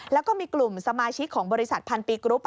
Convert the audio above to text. แล้วก็มีกลุ่มสมาชิกของบริษัทพันปีกรุ๊ป